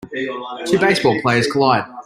Two baseball players collide.